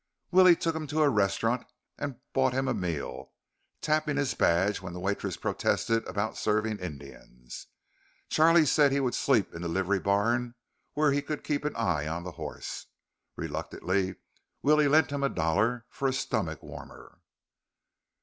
Willie took him to a restaurant and bought him a meal, tapping his badge when the waitress protested about serving Indians. Charley said he would sleep in the livery barn, where he could keep an eye on the horse. Reluctantly, Willie lent him a dollar for a stomach warmer.